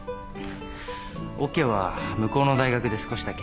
オケは向こうの大学で少しだけ。